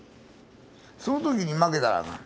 その時に負けたらあかん。